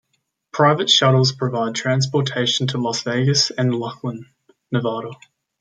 Private shuttles provide transportation to Las Vegas and Laughlin, Nevada.